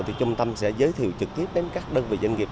thì trung tâm sẽ giới thiệu trực tiếp đến các đơn vị doanh nghiệp